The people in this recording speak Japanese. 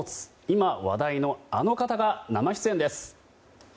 今、話題のあの方が生出演です。